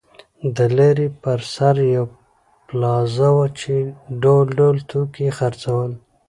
د لارې پر سر یوه پلازه وه چې ډول ډول توکي یې خرڅول.